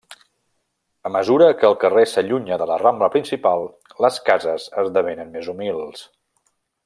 A mesura que el carrer s'allunya de la Rambla Principal les cases esdevenen més humils.